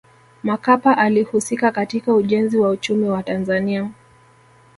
makapa alihusika katika ujenzi wa uchumi wa tanzania